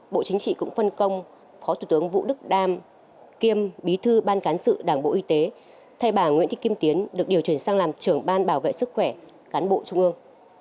bộ chính trị cũng phân công phó thủ tướng vũ đức đam kiêm bí thư ban cán sự đảng bộ y tế thay bà nguyễn thị kim tiến được điều chuyển sang làm trưởng ban bảo vệ sức khỏe cán bộ trung ương